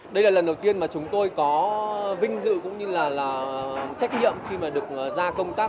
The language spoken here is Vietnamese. đây là lần đầu tiên mà chúng tôi có vinh dự cũng như là trách nhiệm khi mà được ra công tác